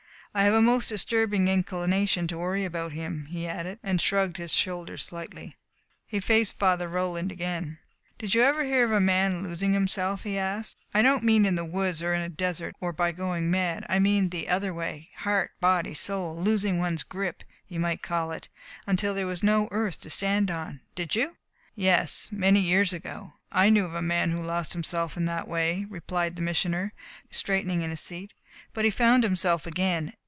"I have a most disturbing inclination to worry about him," he added, and shrugged his shoulders slightly. He faced Father Roland again. "Did you ever hear of a man losing himself?" he asked. "I don't mean in the woods, or in a desert, or by going mad. I mean in the other way heart, body, soul; losing one's grip, you might call it, until there was no earth to stand on. Did you?" "Yes many years ago I knew of a man who lost himself in that way," replied the Missioner, straightening in his seat. "But he found himself again.